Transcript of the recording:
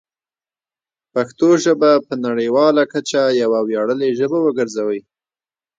پښتو ژبه په نړیواله کچه یوه ویاړلې ژبه وګرځوئ.